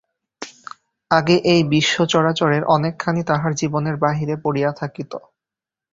আগে এই বিশ্বচরাচরের অনেকখানি তাহার জীবনের বাহিরে পড়িয়া থাকিত।